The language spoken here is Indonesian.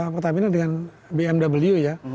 pertamina dengan bmw ya